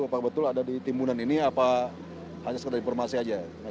apakah betul ada di timbunan ini apa hanya sekedar informasi aja